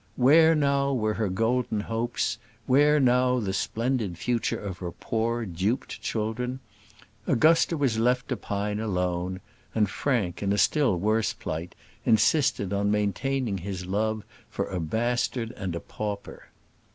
Where now were her golden hopes? Where now the splendid future of her poor duped children? Augusta was left to pine alone; and Frank, in a still worse plight, insisted on maintaining his love for a bastard and a pauper.